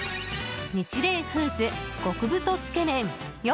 ニチレイフーズ、極太つけ麺。